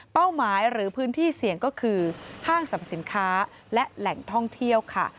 หมายหรือพื้นที่เสี่ยงก็คือห้างสรรพสินค้าและแหล่งท่องเที่ยวค่ะ